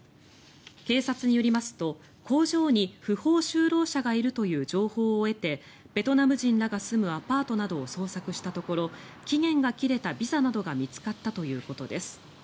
警察によりますと工場に不法就労者がいるという情報を得てベトナム人らが住むアパートなどを捜索したところ期限が切れたビザなどが見つかったということです。